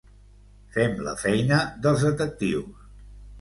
Fem la feina dels detectius.